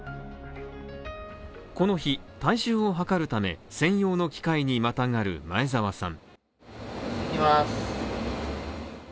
この日、体重を計るため、専用の機械にまたがる前澤さん。